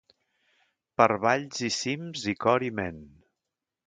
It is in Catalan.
Per valls i cims i cor i ment.